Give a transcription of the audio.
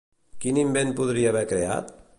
Quin invent podria haver creat?